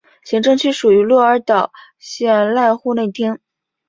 行政区属于鹿儿岛县濑户内町。